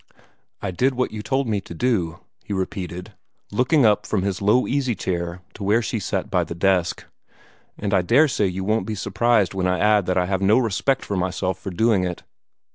"I did what you told me to do," he repeated, looking up from his low easy chair to where she sat by the desk; "and I dare say you won't be surprised when I add that I have no respect for myself for doing it."